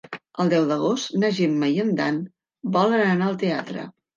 El deu d'agost na Gemma i en Dan volen anar al teatre.